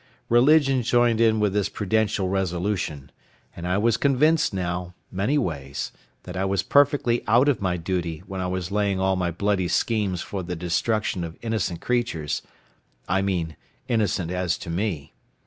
Religion joined in with this prudential resolution; and I was convinced now, many ways, that I was perfectly out of my duty when I was laying all my bloody schemes for the destruction of innocent creatures—I mean innocent as to me.